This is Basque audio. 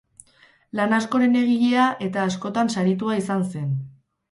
Lan askoren egilea eta askotan saritua izan zen.